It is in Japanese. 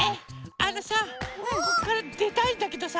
あのさこっからでたいんだけどさ